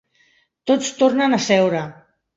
Tots tornen a seure.